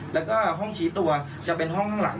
แล้วก็ห้องชี้ตัวจะเป็นห้องข้างหลัง